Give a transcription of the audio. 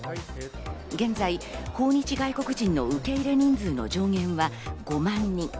現在、訪日外国人の受け入れ人数の上限は５万人。